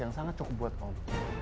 yang sangat cukup buat om